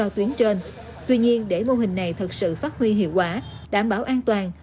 tuy nhiên để mô hình này thực sự phát huy hiệu quả đảm bảo an toàn